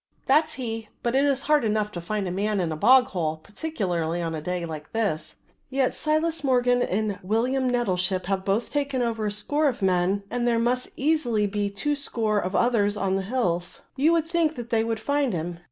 "That's he, but it's hard enough to find a man in a bog hole, particularly on a day like this, yet Silas Morgan and William Nettleship have both taken over a score of men and there must easily be two score of others on the hills; you would think that they would find him.